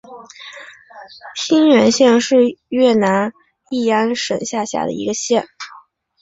兴元县是越南乂安省下辖的一个县。